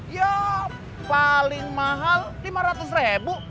ya paling mahal rp lima ratus ribu